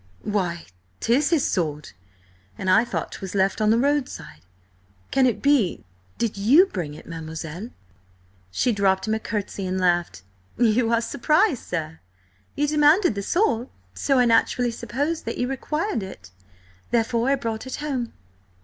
"Why, 'tis his sword. And I thought 'twas left on the roadside. Can it be–did you bring it, mademoiselle?" She dropped him a curtsey, and laughed. "You are surprised, sir? You demanded the sword, so I naturally supposed that you required it. Therefore I brought it home."